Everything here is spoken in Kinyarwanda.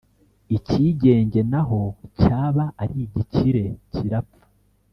icyigenge naho cyaba ari igikire kirapfa